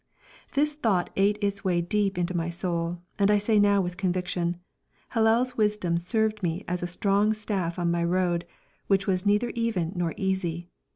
This thought ate its way deep into my soul, and I say now with conviction: Hillel's wisdom served me as a strong staff on my road, which was neither even nor easy.